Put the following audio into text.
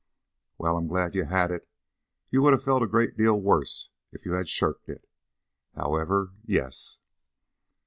"Well, I'm glad you had it. You would have felt a great deal worse if you had shirked it. However Yes?"